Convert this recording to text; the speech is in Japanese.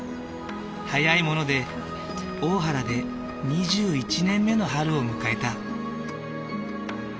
早いもので大原で２１年目の春を迎えた。